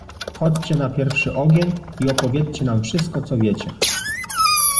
"Chodźcie na pierwszy ogień i opowiedzcie nam wszystko, co wiecie."